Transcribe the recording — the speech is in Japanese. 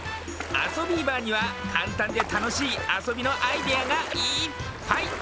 「あそビーバー」にはかんたんでたのしいあそびのアイデアがいっぱい！